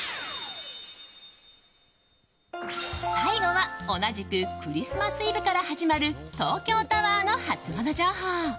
最後は、同じくクリスマスイブから始まる東京タワーのハツモノ情報。